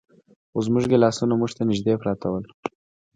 خو زموږ ګیلاسونه موږ ته نږدې پراته ول.